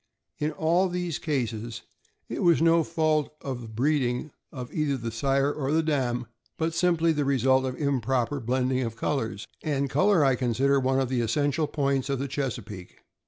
In all these cases, it was no fault of the breeding of either sire or dam, but simply the result of improper blending of colors; and color I consider one of the essential points in the Chesapeake.